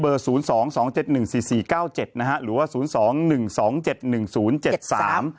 หรือว่า๐๒๑๒๗๑๐๗๓